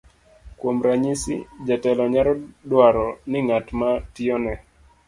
kuom ranyisi, jatelo nyalo dwaro ni ng'at ma tiyone